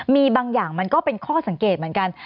มีบางอย่างมันก็เป็นข้อสังเกตเหมือนกัน